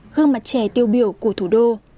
gương mặt trẻ tiêu biểu của thủ đô